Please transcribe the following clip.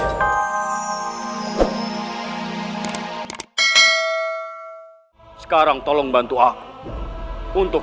pusaran air apa itu